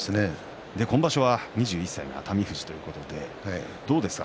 今場所は２１歳の熱海富士ということで、どうですか？